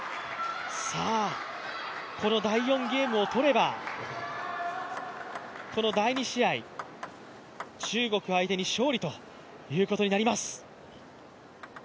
さあ、この第４ゲームを取れば、この第２試合、中国相手に勝利ということになります。